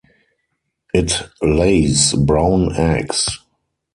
It lays brown eggs.